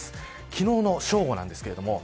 昨日の正午です。